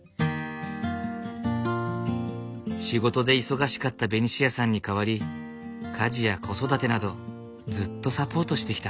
仕事で忙しかったベニシアさんに代わり家事や子育てなどずっとサポートしてきた。